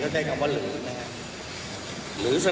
ก็ได้กลับว่าหรือนะครับ